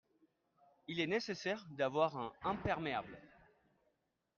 il est nécessaire d'avoir un imperméable.